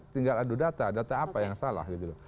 tinggal adu data data apa yang salah gitu loh